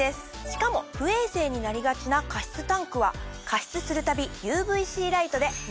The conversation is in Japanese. しかも不衛生になりがちな加湿タンクは加湿するたびＵＶーＣライトで。